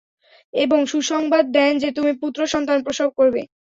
এবং সুসংবাদ দেন যে, তুমি পুত্র-সন্তান প্রসব করবে।